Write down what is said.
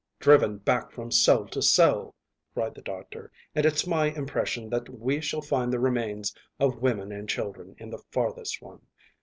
"Driven back from cell to cell," cried the doctor, "and it's my impression that we shall find the remains of women and children in the farthest one.